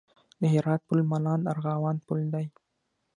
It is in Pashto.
د هرات پل مالان ارغوان پل دی